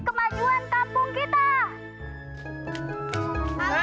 demi kemajuan kampung kita